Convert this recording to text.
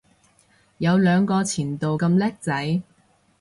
有兩個前度咁叻仔